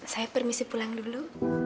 saya permisi pulang dulu